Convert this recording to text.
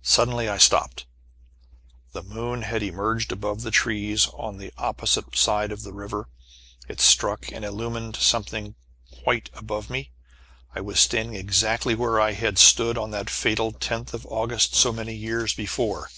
Suddenly I stopped. The moon had emerged above the trees on the opposite side of the river. It struck and illumined something white above me. I was standing exactly where I had stood on that fatal tenth of August, so many years before.